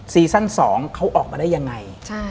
ซีซั่น๒เขาออกมาได้ยังไง